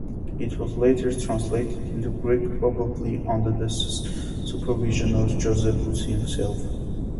It was later translated into Greek, probably under the supervision of Josephus himself.